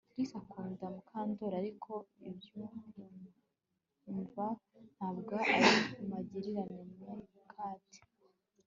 Trix akunda Mukandoli ariko ibyiyumvo ntabwo ari magirirane meerkat